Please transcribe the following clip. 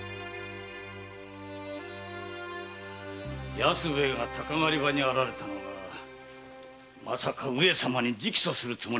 安兵衛が鷹狩り場に現れたのはまさか上様に直訴するつもりだったのでは？